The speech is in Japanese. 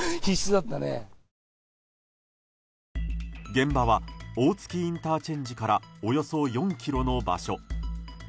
現場は大月ＩＣからおよそ４ｋｍの場所。